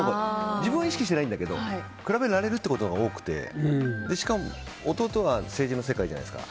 自分は意識してないんだけど比べられることが多くてしかも弟が政治の世界じゃないですか。